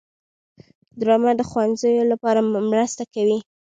ډرامه د ښوونځیو لپاره مرسته کوي